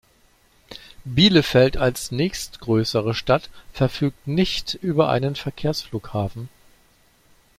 Bielefeld als nächstgrößere Stadt verfügt nicht über einen Verkehrsflughafen.